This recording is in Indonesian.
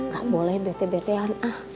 gak boleh bete betean ah